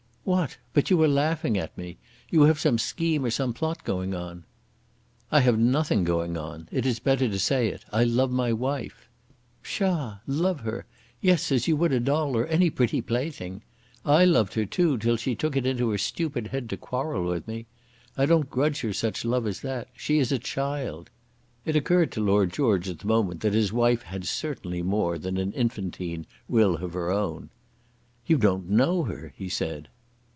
"What! But you are laughing at me. You have some scheme or some plot going on." "I have nothing going on. It is better to say it. I love my wife." "Psha! love her; yes, as you would a doll or any pretty plaything. I loved her too till she took it into her stupid head to quarrel with me. I don't grudge her such love as that. She is a child." It occurred to Lord George at the moment that his wife had certainly more than an infantine will of her own. "You don't know her," he said.